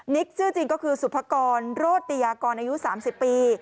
ชื่อจริงก็คือสุภกรโรติยากรอายุ๓๐ปี